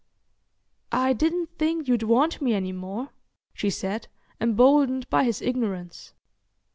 "I didn't think you'd want me any more," she said, emboldened by his ignorance.